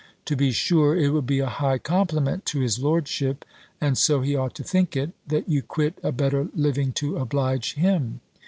To be sure, it will be a high compliment to his lordship, and so he ought to think it, that you quit a better living to oblige him.